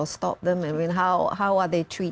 untuk meminta ulasan atau menghentikan mereka